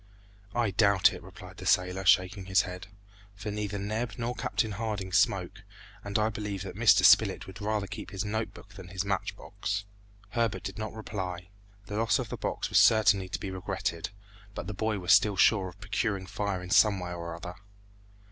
"I doubt it," replied the sailor, shaking his head, "for neither Neb nor Captain Harding smoke, and I believe that Mr. Spilett would rather keep his note book than his match box." Herbert did not reply. The loss of the box was certainly to be regretted, but the boy was still sure of procuring fire in some way or other.